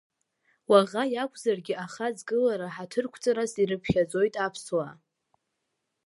Уаӷа иакәзаргьы ахаҵгылара ҳаҭырқәҵарас ирыԥхьаӡоит аԥсуаа!